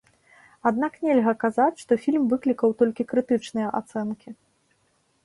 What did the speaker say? Аднак нельга казаць, што фільм выклікаў толькі крытычныя ацэнкі.